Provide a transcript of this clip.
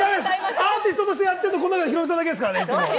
アーティストとしてやってるのはこの中でヒロミさんだけですからね。